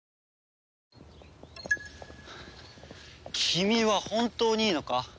君は本当にいいのか？